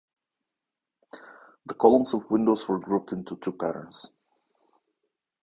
The columns of windows are grouped into two patterns.